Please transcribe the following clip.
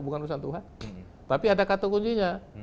bukan urusan tuhan tapi ada kata kuncinya